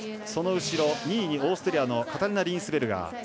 その後ろ、２位にオーストリアのカタリナ・リーンスベルガー。